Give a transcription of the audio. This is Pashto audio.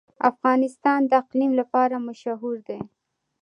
افغانستان د اقلیم لپاره مشهور دی.